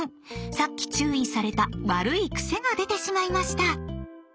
さっき注意された悪いクセが出てしまいました！